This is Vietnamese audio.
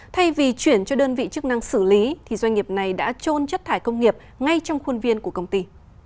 thay vì chuyển cho đơn vị chức năng xử lý thì doanh nghiệp này đã trôn chất thải công nghiệp ngay trong khuôn viên của công ty